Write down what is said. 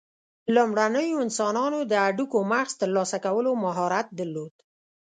لومړنیو انسانانو د هډوکو مغز ترلاسه کولو مهارت درلود.